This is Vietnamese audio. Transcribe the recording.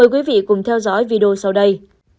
hãy cùng theo dõi video sau đây